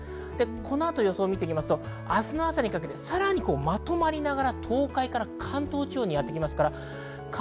この後の予想、明日の朝にかけて、さらにまとまりながら東海から関東地方にやってきそうです。